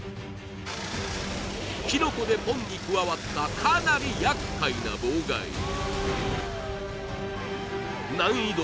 キノコでポンに加わったかなりやっかいな妨害難易度